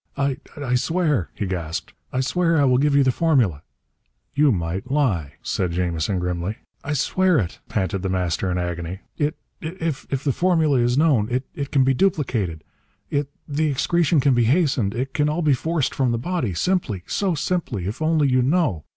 "I I swear," he gasped. "I swear I will give you the formula!" "You might lie," said Jamison grimly. "I swear it!" panted The Master in agony. "It If the formula is known it can be duplicated! It the excretion can be hastened! It can all be forced from the body! Simply! So simply! If only you know!